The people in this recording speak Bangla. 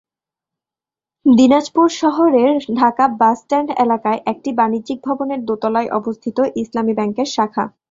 দিনাজপুর শহরের ঢাকা বাসস্ট্যান্ড এলাকায় একটি বাণিজ্যিক ভবনের দোতলায় অবস্থিত ইসলামী ব্যাংকের শাখা।